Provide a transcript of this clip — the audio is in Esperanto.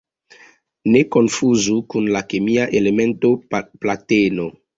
Ne konfuzu kun la kemia elemento plateno.